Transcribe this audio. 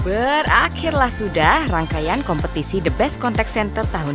berakhirlah sudah rangkaian kompetisi the best contact center tahun dua ribu dua puluh